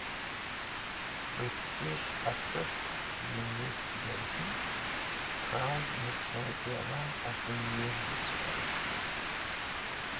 British actress Eunice Gayson crowned Miss Venezuela as the new Miss World.